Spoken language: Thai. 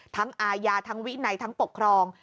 อาญาทั้งวินัยทั้งปกครอง